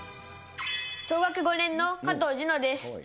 小学５年の加藤諄之です。